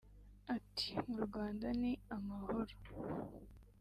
Ati “Mu Rwanda ni amahoro